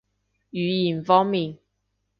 語言方面